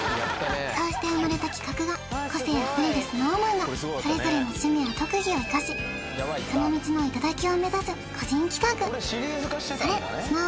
そうして生まれた企画が個性あふれるＳｎｏｗＭａｎがそれぞれの趣味や特技を生かしその道の頂を目指す個人企画